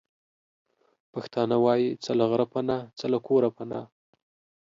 پښتانه وايې:څه له غره پنا، څه له کوره پنا.